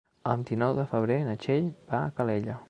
El vint-i-nou de febrer na Txell va a Calella.